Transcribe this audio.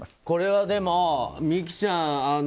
これはでも美姫ちゃん